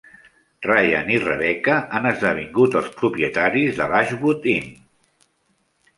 Ryan i Rebecca han esdevingut els propietaris de l'Ashwood Inn.